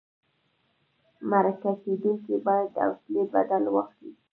مرکه کېدونکی باید د حوصلې بدل واخلي.